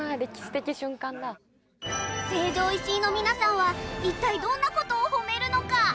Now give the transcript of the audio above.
成城石井の皆さんは一体どんなことを褒めるのか？